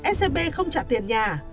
scb không trả tiền nhà